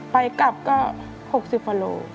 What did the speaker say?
ไปกลับก็๖๐บาทโล